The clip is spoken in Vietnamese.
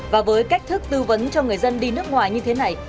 và với cách thức tư vấn cho người dân đi nước ngoài như thế này